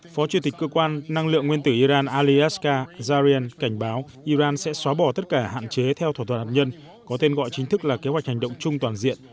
phó chủ tịch cơ quan năng lượng nguyên tử iran ali askar zarian cảnh báo iran sẽ xóa bỏ tất cả hạn chế theo thỏa thuận hạt nhân có tên gọi chính thức là kế hoạch hành động chung toàn diện